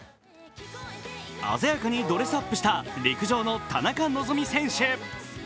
鮮やかにドレスアップした陸上の田中希実選手。